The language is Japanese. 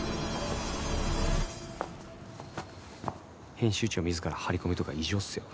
編集長自ら張り込みとか異常っすよ。